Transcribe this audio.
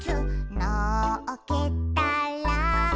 「のっけたら」